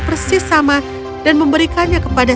persis sama dan memberikannya kepada